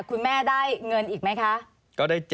คุณแม่ได้เงินอีกไหมคะ